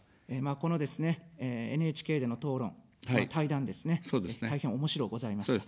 このですね、ＮＨＫでの討論、対談ですね、大変おもしろうございました。